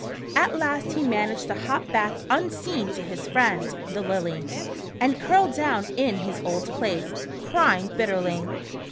At last he managed to hop back unseen to his friend, the Lily, and curled down in his old place, crying bitterly.